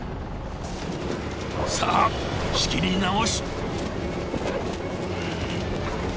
さあ仕切り直し。